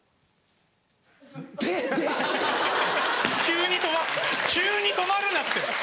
急に止まった急に止まるなって。